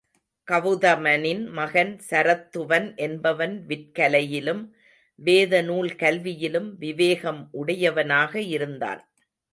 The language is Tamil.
கவுதமனின் மகன் சரத்துவன் என்பவன் விற்கலையிலும் வேதநூல் கல்வியிலும் விவேகம் உடையவனாக இருந்தான்.